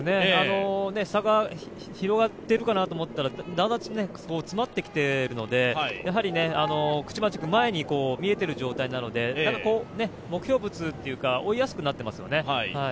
差が広がっているかなと思ったら、だんだん詰まってきているので口町君、前に見えている状態なので目標物というか、追いやすくなってますよね。